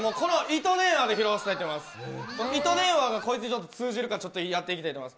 糸電話が、こいつに通じるかやってみたいと思います。